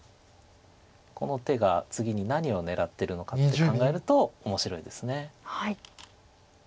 この手が次に何を狙ってるのかって考えると面白いです。